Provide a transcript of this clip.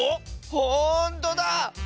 ほんとだ！